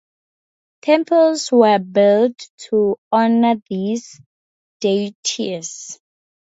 Temples were built to honor these deities.